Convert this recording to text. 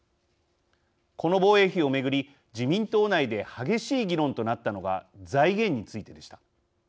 この防衛費を巡り自民党内で激しい議論となったのが財源についてでした。